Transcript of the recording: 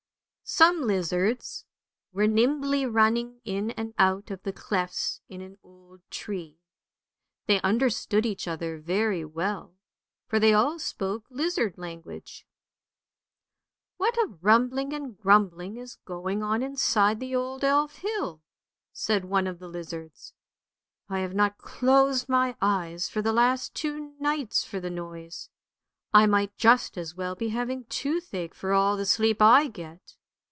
SOME lizards were nimbly running in and out of the clefts in an old tree. They understood each other very well, for they all spoke lizard language. " What a rumbling and grumbling is going on inside the old Elf hill," said one of the lizards. "I have not closed my eyes for the last two nights for the noise. I might just as well be having toothache, for all the sleep I get!